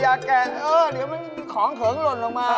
แก่งเออเดี๋ยวมันมีของเขิงหล่นลงมา